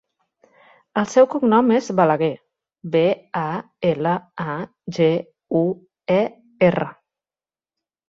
El seu cognom és Balaguer: be, a, ela, a, ge, u, e, erra.